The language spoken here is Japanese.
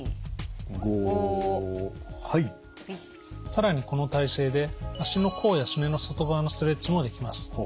更にこの体勢で足の甲やすねの外側のストレッチもできます。